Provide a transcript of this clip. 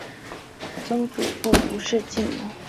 曾祖父吴仕敬。